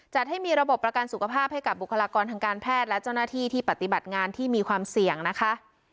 จัดให้มีระบบประกันสุขภาพให้กับบุคลากรทางการแพทย์และเจ้าหน้าที่ที่ปฏิบัติงานที่มีความเสี่ยงนะคะ